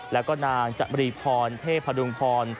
แล้วก็นางจบรีพรเทพดุงพร